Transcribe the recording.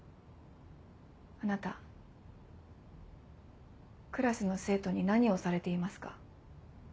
あなたクラスの生徒に何をされていますか？